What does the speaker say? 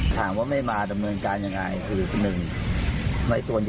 ถามว่าไม่มาเดินเมื่ออาการยังไงคือทีนึงในส่วนใหญ่